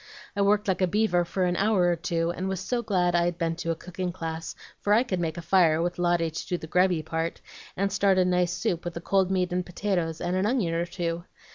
I worked like a beaver for an hour or two, and was so glad I'd been to a cooking class, for I could make a fire, with Lotty to do the grubby part, and start a nice soup with the cold meat and potatoes, and an onion or so.